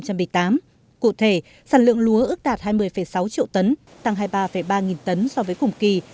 cụ thể sản lượng lúa ước đạt hai mươi sáu triệu tấn tăng hai mươi ba ba nghìn tấn so với cùng kỳ